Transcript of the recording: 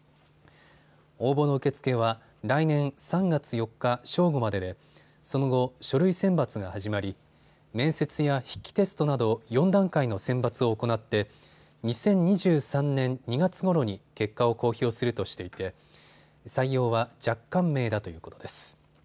応募の受け付けは来年３月４日正午まででその後、書類選抜が始まり面接や筆記テストなど４段階の選抜を行って２０２３年２月ごろに結果を公表するとしていて採用は若干名だということです。